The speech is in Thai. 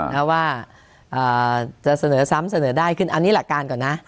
ว่าจะเสนอซ้ำเสนอได้ขึ้นอันนี้หลักการก่อนนะ